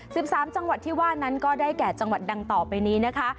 สิบสามจังหวัดที่ว่านั้นก็ได้แก่จังหวัดดังต่อไปนี้นะคะ